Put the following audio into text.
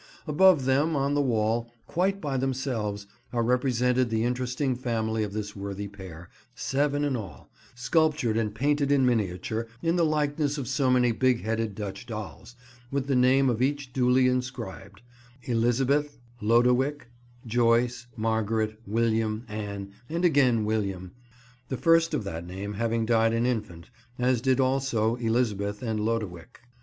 Above them, on the wall, quite by themselves, are represented the interesting family of this worthy pair, seven in all, sculptured and painted in miniature, in the likeness of so many big headed Dutch dolls, with the name of each duly inscribed; Elizabeth, Lodowicke, Joyce, Margaret, William, Anne, and again William, the first of that name having died an infant, as did also Elizabeth and Lodowicke.